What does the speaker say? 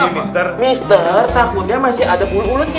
mister takut dia masih ada bulut bulutnya